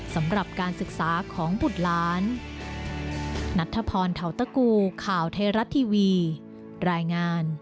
สำหรับการศึกษาของบุตรหลาน